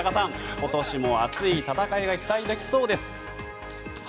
今年も熱い戦いが期待できそうです。